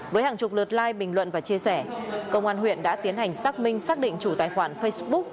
với hàng chục lượt like bình luận và chia sẻ công an huyện đã tiến hành xác minh xác định chủ tài khoản facebook